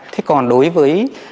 thế còn đối với